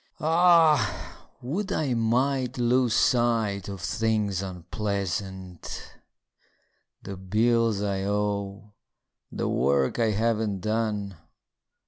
Ah, would I might lose sight of things unpleasant: The bills I owe; the work I haven't done.